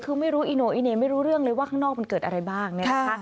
คือไม่รู้อีโน่อีเน่ไม่รู้เรื่องเลยว่าข้างนอกมันเกิดอะไรบ้างเนี่ยนะคะ